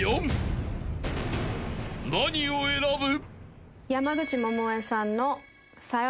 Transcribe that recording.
［何を選ぶ？］